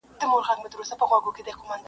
یو سړي باندي خدای ډېر وو رحمېدلی.